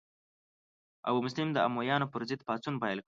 ابو مسلم د امویانو پر ضد پاڅون پیل کړ.